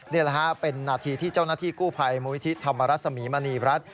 นี่แหละฮะเป็นนาทีที่เจ้าหน้าที่กู้ภัยมูลิธิธรรมรัศมีมณีรัฐ